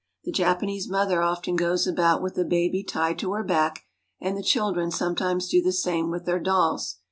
The Japanese mother often goes about with the baby tied to her back, and the children sometimes do the same with their dolls.